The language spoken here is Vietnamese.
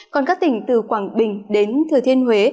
còn các tỉnh từ quảng bình đến thừa thiên huế